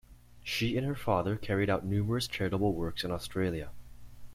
She and her father carried out numerous charitable works in Australia.